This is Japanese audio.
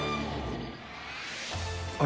あれ？